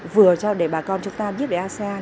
vừa cho để bà con chúng ta biết về asean